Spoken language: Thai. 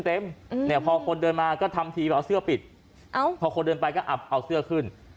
เนี่ยพอคนเดินมาก็ทำทีแบบเอาเสื้อปิดพอคนเดินไปก็อับเอาเสื้อขึ้น